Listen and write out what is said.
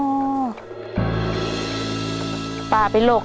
ป่าเป็นโรคข้างเคียง